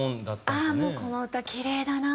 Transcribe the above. ああもうこの歌キレイだな！